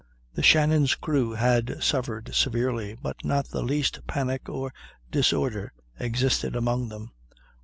The Shannon's crew had suffered severely, but not the least panic or disorder existed among them.